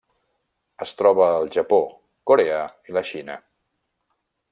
Es troba al Japó, Corea i la Xina.